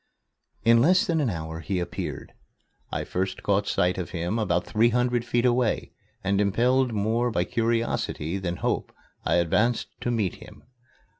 In less than an hour he appeared. I first caught sight of him about three hundred feet away, and, impelled more by curiosity than hope, I advanced to meet him.